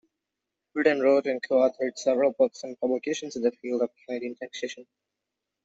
Bryden wrote and co-authored several books and publications in the field of Canadian taxation.